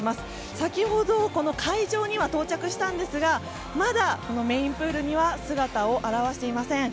先ほど、この会場には到着したんですがまだメインプールには姿を現していません。